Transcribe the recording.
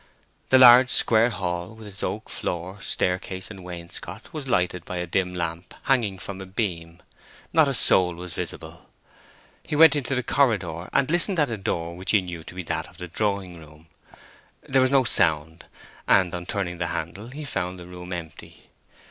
The large square hall, with its oak floor, staircase, and wainscot, was lighted by a dim lamp hanging from a beam. Not a soul was visible. He went into the corridor and listened at a door which he knew to be that of the drawing room; there was no sound, and on turning the handle he found the room empty.